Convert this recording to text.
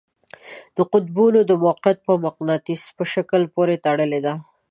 د قطبونو موقیعت په مقناطیس په شکل پورې تړلی دی.